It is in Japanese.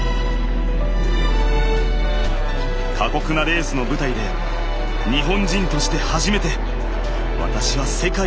過酷なレースの舞台で日本人として初めて私は世界一に上り詰めました。